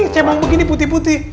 cembang begini putih putih